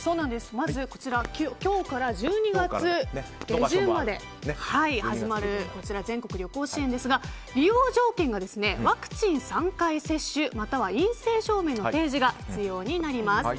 まず、今日から１２月下旬まで全国旅行支援ですが利用条件がワクチン３回接種または陰性証明の提示が必要になります。